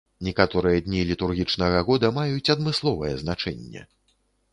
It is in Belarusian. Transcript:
Некаторыя дні літургічнага года маюць адмысловае значэнне.